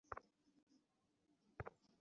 তার সাথে কতজন লোক আছে?